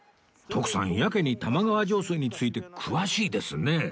徳さんやけに玉川上水について詳しいですね